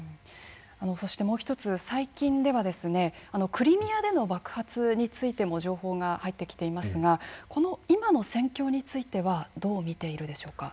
そして、もう１つ最近ではクリミアでの爆発についても情報が入ってきていますがこの今の戦況についてはどう見ているでしょうか？